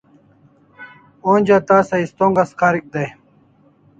Onja tasa istongas karik day